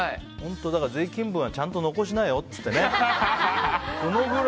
だから税金分はちゃんと残しなよって言ってね。